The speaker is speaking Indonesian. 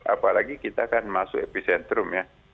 apalagi kita kan masuk epicentrum ya